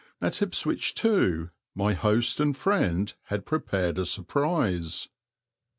At Ipswich too my host and friend had prepared a surprise.